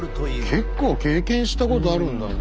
結構経験したことあるんだね。